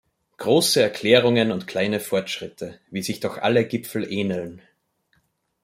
Große Erklärungen und kleine Fortschritte, wie sich doch alle Gipfel ähneln!